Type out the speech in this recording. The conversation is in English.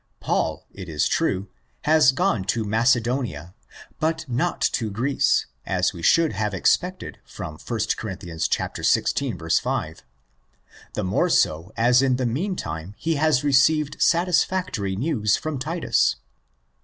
Paul, it is true, has gone to Macedonia, but not to Greece, as we should have expected from 1 Cor. xvi. 5; the more so as in the meantime he has received satisfactory news from Titus.